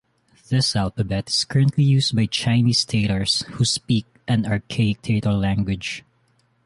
This alphabet is currently used by Chinese Tatars, who speak an archaic Tatar language.